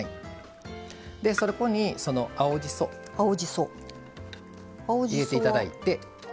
そこに青じそ入れていただいて。